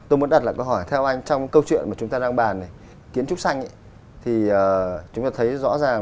tôi muốn đặt lại câu hỏi